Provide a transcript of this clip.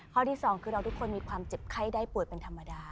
ที่สองคือเราทุกคนมีความเจ็บไข้ได้ป่วยเป็นธรรมดา